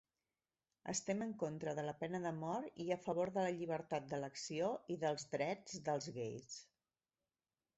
Estem en contra de la pena de mort i a favor de la llibertat d'elecció i dels drets dels gais.